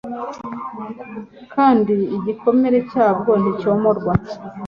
kandi igikomere cyabwo nticyomorwa